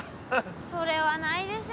それはないでしょ。